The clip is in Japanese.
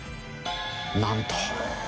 なんと。